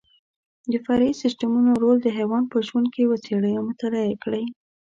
د فرعي سیسټمونو رول د حیوان په ژوند کې وڅېړئ او مطالعه یې کړئ.